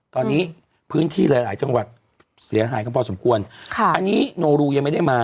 ตอนนี้พื้นที่หลายหลายจังหวัดเสียหายกันพอสมควรค่ะอันนี้โนรูยังไม่ได้มา